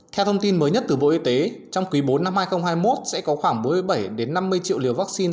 theo thông tin mới nhất từ bộ y tế trong quý bốn năm hai nghìn hai mươi một sẽ có khoảng bốn mươi bảy năm mươi triệu liều vaccine